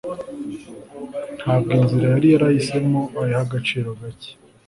ntabwo inzira yari yarahisemo ayiha agaciro gake